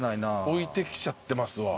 置いてきちゃってますわ。